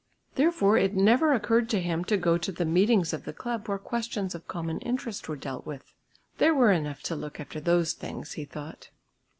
Therefore it never occurred to him to go to the meetings of the club where questions of common interest were dealt with. "There were enough to look after those things," he thought.